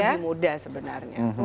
lebih mudah sebenarnya